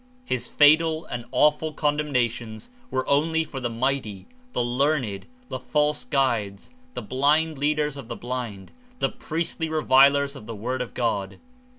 His fatal and awful condemnations were only for the mighty, the "learned," the false guides, the "blind leaders of the blind," the priestly revilers of the Word of God.